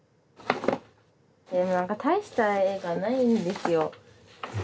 でも何か大した絵がないんですよ。